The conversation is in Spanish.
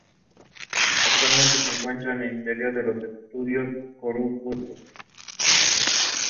Actualmente se encuentra en el interior de los Estudios Churubusco.